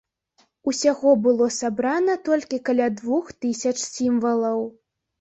Усяго было сабрана толькі каля двух тысяч сімвалаў.